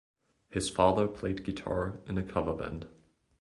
His father played guitar in a cover band.